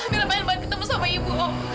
bila bayar bayar ketemu sama ibu om